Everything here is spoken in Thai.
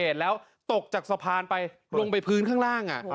ตกจากสะพานไปลงไปพื้นข้างล่าง